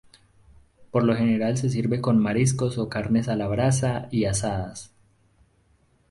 Por lo general se sirve con mariscos o carnes a la brasa y asadas.